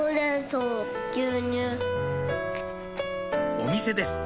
お店です